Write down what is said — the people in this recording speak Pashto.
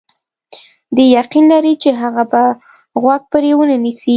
دی یقین لري چې هغه به غوږ پرې ونه نیسي.